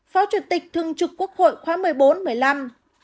phó chủ tịch thường trực quốc hội khóa một mươi bốn một mươi năm